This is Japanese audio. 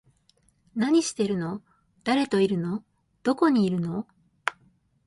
何してるの？誰といるの？どこにいるの？